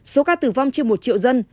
số ca tử vong trên một triệu dân